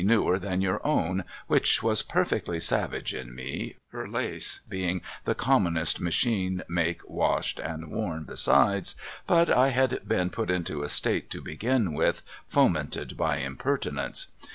newer than your own ' which was perfectly savage in me, her lace being the commonest machine make washed and torn besides, but I had been put into a state to begin with fomented by impertinence.